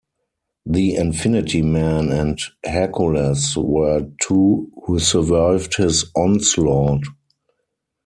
The Infinity-Man and Hercules were two who survived his onslaught.